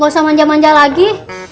gak usah manja manja lagi